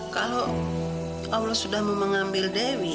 kalau allah sudah mau mengambil dewi